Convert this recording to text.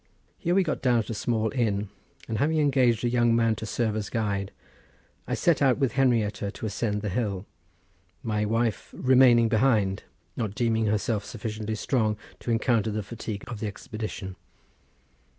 Here we got down at a small inn, and having engaged a young lad to serve as guide, I set out with Henrietta to ascend the hill, my wife remaining behind, not deeming herself sufficiently strong to encounter the fatigue of the expedition.